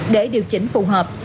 để điều chỉnh phù hợp